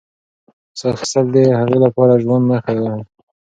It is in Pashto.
ساه اخیستل د هغې لپاره د ژوند نښه وه.